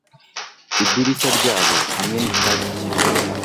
Idirishya ryabo hamwe nicyatsi kibisi